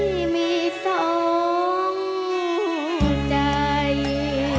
ให้มีทรงใจ